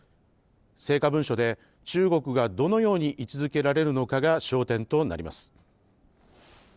成果文書で中国がどのように位置づけられるのかが焦点となります。